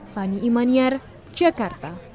fani imanyar jakarta